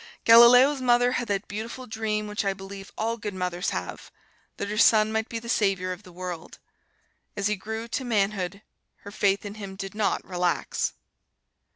Galileo's mother had that beautiful dream which I believe all good mothers have: that her son might be the savior of the world. As he grew to manhood, her faith in him did not relax.